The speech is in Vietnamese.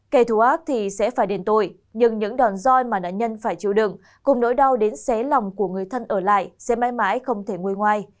kẻ thù ác thì sẽ phải đền tội nhưng những đòn roi mà nạn nhân phải chịu đựng cùng nỗi đau đến xé lòng của người thân ở lại sẽ mãi mãi không thể ngôi ngoài